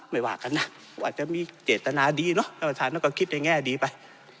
ไม่ว่ากันนะว่าจะมีเจตนาดีเนอะท่านประธานแล้วก็คิดในแง่ดีไป